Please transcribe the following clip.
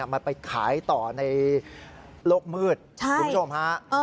มันไปขายต่อในโลกมืดคุณผู้ชมฮะ